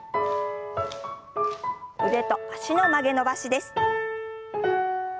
腕と脚の曲げ伸ばしです。